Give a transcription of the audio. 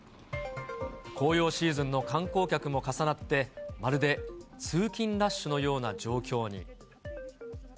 紅葉シーズンの観光客も重なって、まるで通勤ラッシュのような状況に。